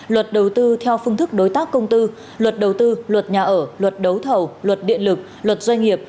luật đầu tư theo phương thức đối tác công tư luật đầu tư luật nhà ở luật đấu thầu luật điện lực luật doanh nghiệp